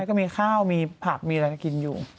แล้วก็มีข้าวมีผักมีอะไรกินอยู่